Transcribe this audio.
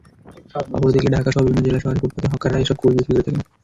অপরদিকে ঢাকাসহ বিভিন্ন জেলা শহরের ফুটপাতে হকাররাই এসব কুল বিক্রি করে থাকেন।